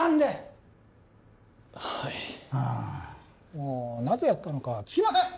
もうなぜやったのかは聞きません！